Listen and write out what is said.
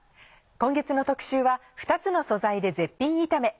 今月の特集は２つの素材で絶品炒め。